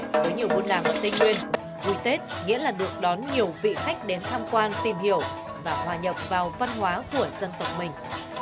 với nhiều vô nàm tinh nguyên vui tết nghĩa là được đón nhiều vị khách đến tham quan tìm hiểu và hòa nhập vào văn hóa của dân tộc mình